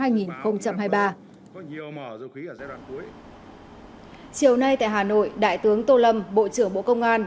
chiều nay tại hà nội đại tướng tô lâm bộ trưởng bộ công an